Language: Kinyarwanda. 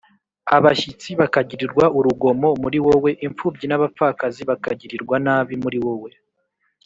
abashyitsi bakagirirwa urugomo muri wowe, impfubyi n’abapfakazi bakagirirwa nabi muri wowe